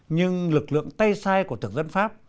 nhưng lực lượng tây sai của thực dân pháp